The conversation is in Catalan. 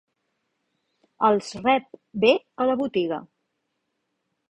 Els rep bé a la botiga.